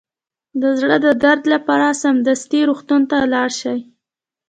د زړه د درد لپاره سمدستي روغتون ته لاړ شئ